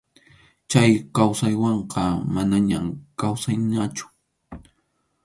Chay kawsaywanqa manañam kawsayñachu.